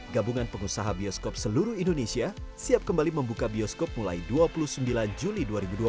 gabungan pengusaha bioskop seluruh indonesia siap kembali membuka bioskop mulai dua puluh sembilan juli dua ribu dua puluh